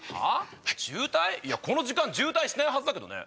この時間渋滞してないはずだけどね。